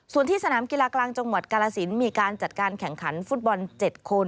ส่วนที่สนามกีฬากลางจังหวัดกาลสินมีการจัดการแข่งขันฟุตบอล๗คน